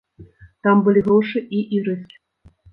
Там былі грошы і ірыскі.